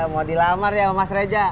mau dilamar ya mas reja